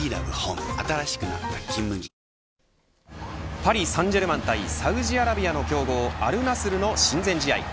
パリサンジェルマン対サウジアラビアの強豪アルナスルの親善試合。